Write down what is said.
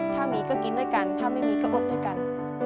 ถ้ามีก็กินด้วยกันถ้าไม่มีก็อดด้วยกัน